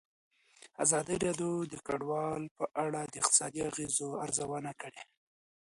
ازادي راډیو د کډوال په اړه د اقتصادي اغېزو ارزونه کړې.